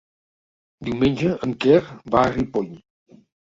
Diumenge en Quer va a Ripoll.